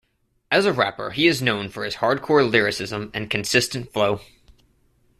As a rapper, he is known for his hardcore lyricism and consistent flow.